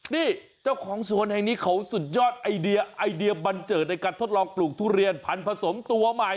นี่เจ้าของสวนแห่งนี้เขาสุดยอดไอเดียไอเดียบันเจิดในการทดลองปลูกทุเรียนพันธสมตัวใหม่